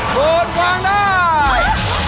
โหดกวางได้